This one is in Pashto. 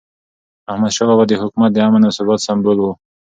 احمدشاه بابا د حکومت د امن او ثبات سمبول و.